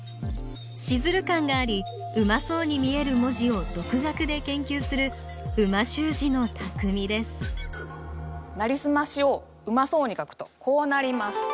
シズル感がありうまそうに見える文字を独学で研究する美味しゅう字のたくみです「なりすまし」をうまそうに書くとこうなります。